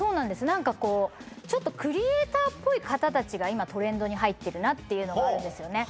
何かこうちょっとクリエイターっぽい方達が今トレンドに入ってるなっていうのがあるんですよね